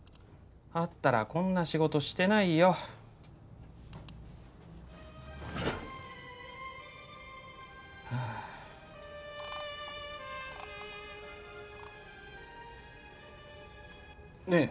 あったらこんな仕事してないよはあねえ